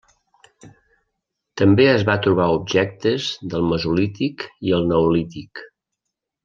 També es va trobar objectes del Mesolític i el Neolític.